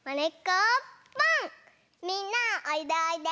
みんなおいでおいで！